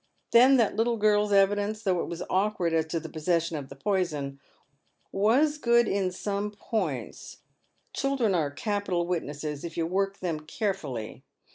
Then that little girl's evidence, though it was awkward as to the possession of the poison, was good in gome points. Children are capital witnesses if you work them carefully.